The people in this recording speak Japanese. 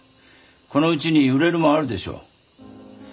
このうちに売れるものあるでしょ？